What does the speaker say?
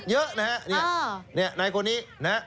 เยอะนะฮะเนี่ยในคนนี้